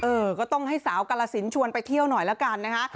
เออก็ต้องให้สาวกาลสินชวนไปเที่ยวหน่อยละกันนะคะ